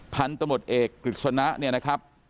ท่านตำรวจเอกกฤษณะเนี่ยนะครับ